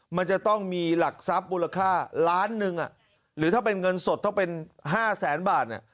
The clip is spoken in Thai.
มันจะต้องมีหลักทรัพย์มูลค่าล้านหนึ่งหรือถ้าเป็นเงินสดต้องเป็น๕แสนบาท